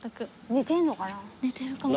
寝てるかも。